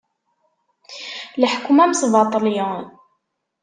Leḥkem amesbaṭli.